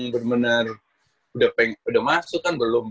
bener bener udah masuk kan belum